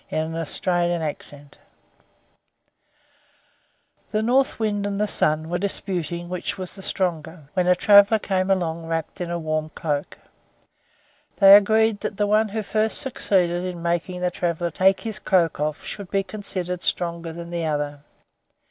Orthographic version The North Wind and the Sun were disputing which was the stronger, when a traveler came along wrapped in a warm cloak. They agreed that the one who first succeeded in making the traveler take his cloak off should be considered stronger than the other.